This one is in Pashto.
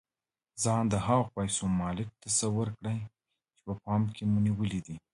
ځان د هغو پيسو مالک تصور کړئ چې په پام کې مو نيولې دي.